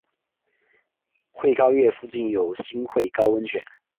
穗高岳附近有新穗高温泉。